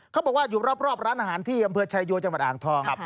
เขาบอกว่าอยู่รอบร้านอาหารที่อำเภอชายโยจังหวัดอ่างทอง